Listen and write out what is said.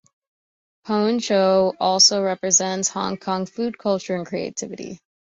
Poon choi also represents Hong Kong's food culture and creativity.